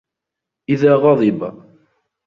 إذَا غَضِبَ